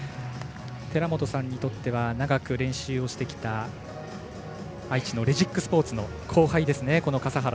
寺本さんにとっては長く練習をしてきた愛知のレジックスポーツの後輩ですね、笠原。